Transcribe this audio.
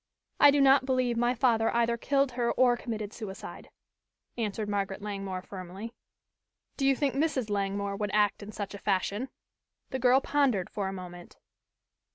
"I do not believe my father either killed her or committed suicide," answered Margaret Langmore firmly. "Do you think Mrs. Langmore would act in such a fashion?" The girl pondered for a moment.